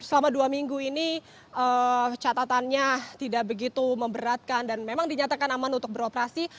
jika selama dua minggu ini catatannya tidak begitu memberatkan dan memang dinyatakan aman untuk beroperasi